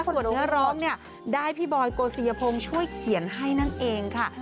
ส่วนเนื้อร้องเนี่ยได้พี่บอยโกศิยพงศ์ช่วยเขียนให้นั่นเองค่ะ